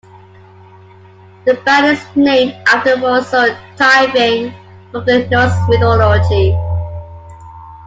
The band is named after the royal sword Tyrfing from Norse mythology.